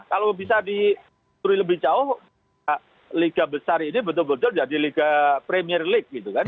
kalau bisa dicuri lebih jauh liga besar ini betul betul jadi liga premier league gitu kan